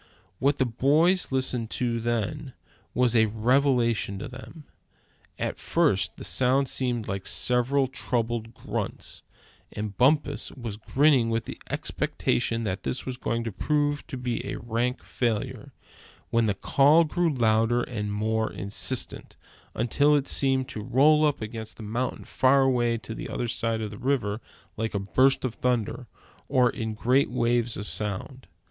What the boys listened to then, was a revelation to them. At first, the sound seemed like several troubled grunts, and Bumpus was grinning with the expectation that it was going to prove to be a rank failure, when the call grew louder and more insistent, until it seemed to roll up against the mountain far away on the other side of the river like a burst of thunder; or in great waves of sound.